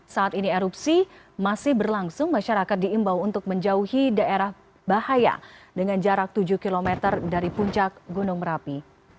saat ini erupsi masih berlangsung masyarakat diimbau untuk menjauhi daerah bahaya dengan jarak tujuh km dari puncak gunung merapi